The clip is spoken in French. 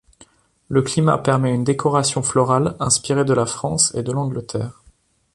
Le climat permet une décoration florale inspirée de la France et de l'Angleterre.